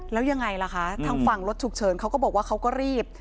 แล้วยังไงล่ะคะทางฝั่งรถฉุกเฉินเขาก็บอกว่าเขาก็รีบ